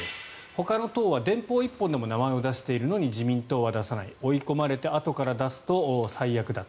ほかの党は電報１本でも名前を出しているのに自民党は出さない追い込まれてあとから出すと最悪だ。